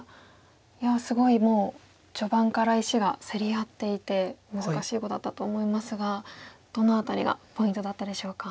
いやすごいもう序盤から石が競り合っていて難しい碁だったと思いますがどの辺りがポイントだったでしょうか？